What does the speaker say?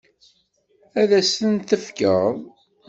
Ad as-ten-tefkeḍ?